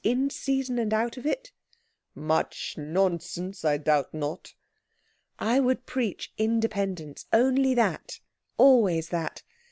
In season and out of it?" "Much nonsense, I doubt not." "I would preach independence. Only that. Always that.